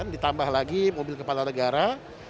ditambah lagi mobil kepala negara